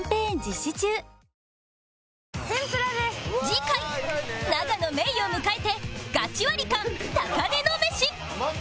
次回永野芽郁を迎えてガチワリカン高値の飯